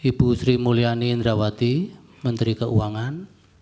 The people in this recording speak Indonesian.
ibu sri mulyani indrawati menteri keuangan